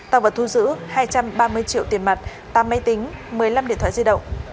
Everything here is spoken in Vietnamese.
tạo vật thu giữ hai trăm ba mươi triệu tiền mặt tám máy tính một mươi năm điện thoại di động